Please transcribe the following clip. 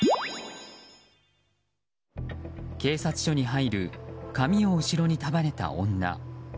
警察署に入る髪を後ろに束ねた女。